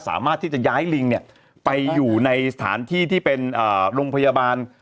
สามารถที่จะย้ายลิงไปอยู่ในสถานที่ที่เป็นโรงพยาบาล